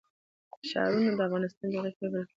ښارونه د افغانستان د جغرافیې یوه بېلګه ده.